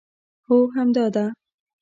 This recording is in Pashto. هو همدا ده